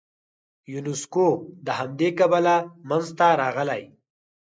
یونسکو د همدې کبله منځته راغلی.